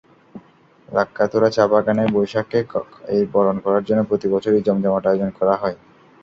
লাক্কাতুরা চা-বাগানে বৈশাখকে বরণ করার জন্য প্রতিবছরই জমজমাট আয়োজন করা হয়।